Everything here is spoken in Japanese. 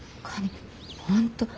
本当。